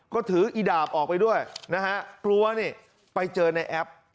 ก็ถืออีดาบออกไปด้วยนะฮะกลัวนี่ไปเจอในแอป